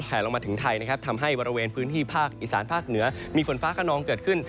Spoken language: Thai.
ลงมาถึงไทยนะครับทำให้บริเวณพื้นที่ภาคอีสานภาคเหนือมีฝนฟ้าขนองเกิดขึ้น